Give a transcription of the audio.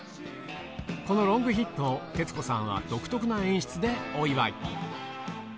このロングヒットを、徹子さんは独特な演出でお祝い。